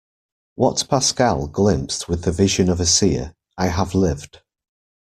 What Pascal glimpsed with the vision of a seer, I have lived.